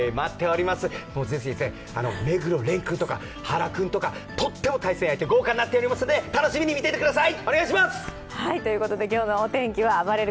是非、目黒蓮君とか、原君とかとっても対戦相手が豪華になっていますので楽しみに見てください。